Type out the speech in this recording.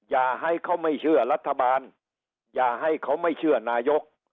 อย่าให้เขาไม่เชื่อรัฐบาลอย่าให้เขาไม่เชื่อนายก